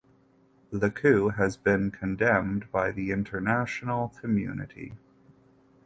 The coup has been condemned by the international community.